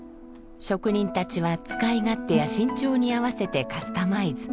職人たちは使い勝手や身長に合わせてカスタマイズ。